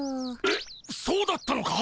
えっそうだったのか？